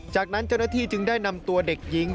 จากนั้นเจ้าหน้าที่จึงได้นำตัวเด็กหญิง